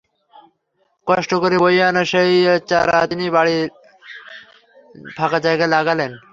কষ্ট করে বয়ে আনা সেই চারা তিনি বাড়ির ফাঁকা জায়গায় লাগলেন।